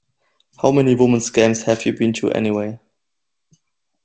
'How many women's games have you ever been to, anyway?